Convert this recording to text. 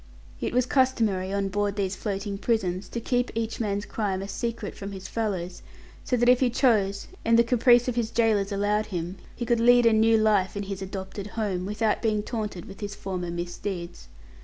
It was customary on board these floating prisons to keep each man's crime a secret from his fellows, so that if he chose, and the caprice of his gaolers allowed him, he could lead a new life in his adopted home, without being taunted with his former misdeeds.